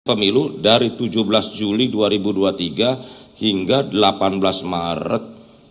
pemilu dari tujuh belas juli dua ribu dua puluh tiga hingga delapan belas maret dua ribu dua puluh